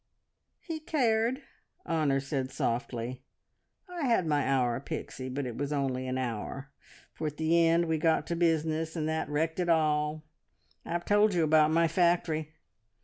"He cared!" Honor said softly. "I had my hour, Pixie, but it was only an hour, for at the end we got to business, and that wrecked it all. I've told you about my factory.